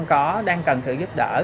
có đang cần sự giúp đỡ